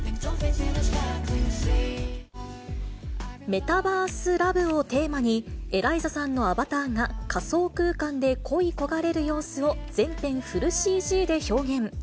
メタバースラブをテーマに、エライザさんのアバターが仮想空間で恋焦がれる様子を全編フルＣＧで表現。